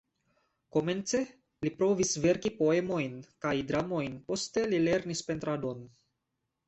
Komence li provis verki poemojn kaj dramojn, poste li lernis pentradon.